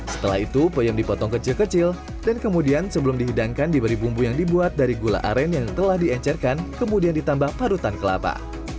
setelah itu peyem dipotong kecil kecil dan kemudian sebelum dihidangkan diberi bumbu yang dibuat dari gula aren yang telah diencerkan kemudian ditambah parutan kelapa